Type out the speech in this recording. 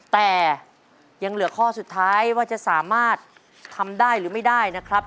แต่ยังเหลือข้อสุดท้ายว่าจะสามารถทำได้หรือไม่ได้นะครับ